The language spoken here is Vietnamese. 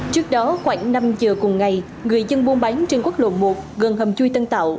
trước đó khoảng năm giờ cùng ngày người dân buôn bán trên quốc lộ một gần hầm chui tân tạo